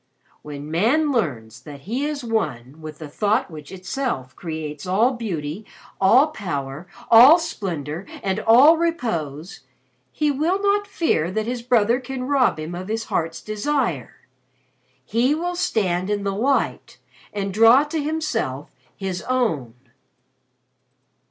When Man learns that he is one with the Thought which itself creates all beauty, all power, all splendor, and all repose, he will not fear that his brother can rob him of his heart's desire. He will stand in the Light and draw to himself his own.'